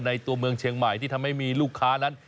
ตัวเมืองเชียงใหม่ที่ทำให้มีลูกค้านั้น